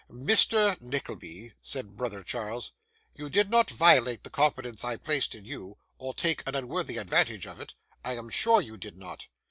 'Mr. Nickleby,' said brother Charles, 'you did not violate the confidence I placed in you, or take an unworthy advantage of it. I am sure you did not.